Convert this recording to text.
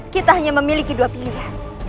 kita hanya memiliki dua pilihan